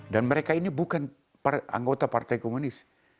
dan mereka ini bukan anggota partai komunis